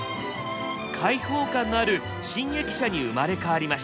開放感のある新駅舎に生まれ変わりました。